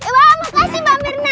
wah makasih mbak mirna